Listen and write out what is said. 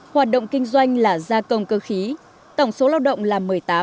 hoạt động kinh doanh là gia công cơ khí tổng số lao động là một mươi tám